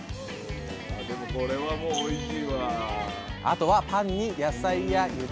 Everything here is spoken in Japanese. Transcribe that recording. あとはパンに野菜やゆで卵。